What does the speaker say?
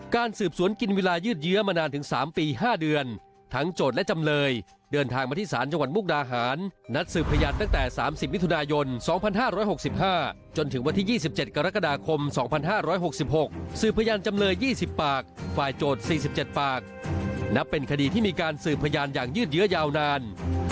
การสืบสวนกินเวลายืดเยื้อมานานถึง๓ปี๕เดือนทั้งโจทย์และจำเลยเดินทางมาที่ศาลจังหวัดมุกดาหารนัดสืบพยานตั้งแต่๓๐มิถุนายน๒๕๖๕จนถึงวันที่๒๗กรกฎาคม๒๕๖๖สืบพยานจำเลย๒๐ปากฝ่ายโจทย์๔๗ปากนับเป็นคดีที่มีการสืบพยานอย่างยืดเยอะยาวนาน